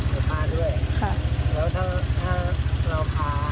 รู้แล้วทำไมฟ้าผาย